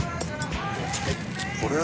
これは。